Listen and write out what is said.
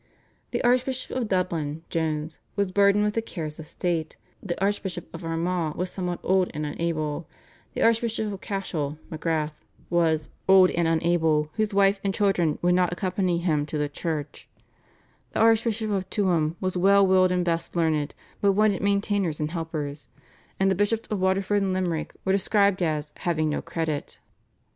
The Archbishop of Dublin (Jones) was "burdened with the cares of state;" the Archbishop of Armagh was "somewhat old and unable;" the Archbishop of Cashel (Magrath) was "old and unable, whose wife and children would not accompany him to the church;" the Archbishop of Tuam was "well willed and best learned, but wanted maintainers and helpers," and the Bishops of Waterford and Limerick were described as "having no credit."